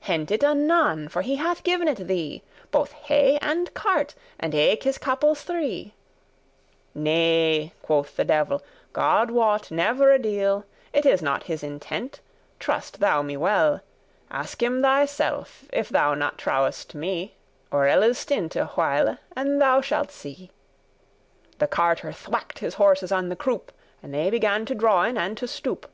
Hent* it anon, for he hath giv'n it thee, *seize Both hay and cart, and eke his capels* three." *horses <12> "Nay," quoth the devil, "God wot, never a deal,* whit It is not his intent, trust thou me well; Ask him thyself, if thou not trowest* me, *believest Or elles stint* a while and thou shalt see." *stop The carter thwack'd his horses on the croup, And they began to drawen and to stoop.